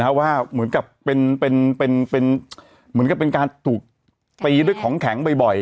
นะฮะว่าเหมือนกับเป็นเป็นเป็นเป็นเหมือนกับเป็นการถูกตีด้วยของแข็งบ่อยบ่อย